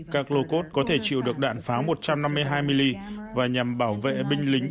các lô cốt có thể chịu được đạn pháo một trăm năm mươi hai milli và nhằm bảo vệ binh lính